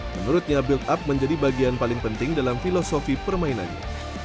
menurutnya build up menjadi bagian paling penting dalam filosofi permainannya